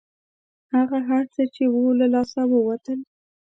هغه هر څه چې وو له لاسه ووتل.